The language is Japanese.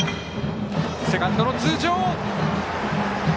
セカンドの頭上！